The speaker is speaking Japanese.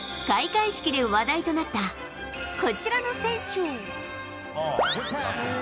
開会式で話題となった、こちらの選手。